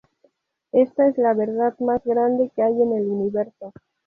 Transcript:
Ésta es la verdad más grande que hay en el universo.